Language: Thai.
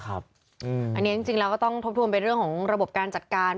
อันนี้จริงแล้วก็ต้องทบทวนไปเรื่องของระบบการจัดการ